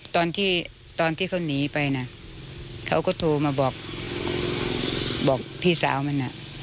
ตอนที่เขาหนีไปนะเขาก็โทรมาบอกพี่สาวมันนะ